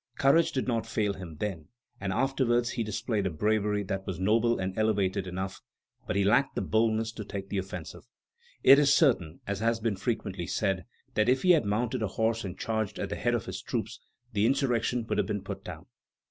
Courage did not fail him then, and afterwards he displayed a bravery that was noble and elevated enough; but he lacked boldness to take the offensive.... It is certain, as has been frequently said, that if he had mounted a horse and charged at the head of his troops, the insurrection would have been put down."